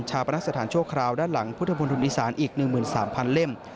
ชาปนักสถานโชคราวด้านหลังพุทธพลภูมิอีสานอีก๑๓๐๐๐เล่ม